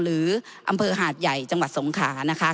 หรืออำเภอหาดใหญ่จังหวัดสงขานะคะ